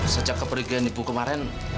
sejak keberdekaan ibu kemarin